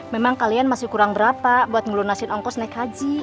memang kalian masih kurang berapa buat ngelunasin ongkos naik haji